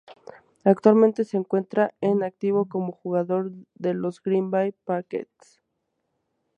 Actualmente se encuentra en activo como jugador de los Green Bay Packers.